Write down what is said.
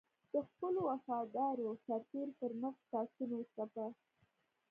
د خپلو وفادارو سرتېرو پر مټ پاڅون وځپه.